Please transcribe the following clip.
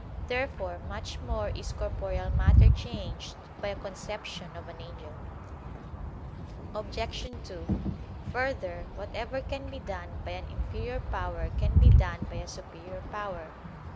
Therefore much more is corporeal matter changed by a conception of an angel. Obj. 2: Further, whatever can be done by an inferior power, can be done by a superior power.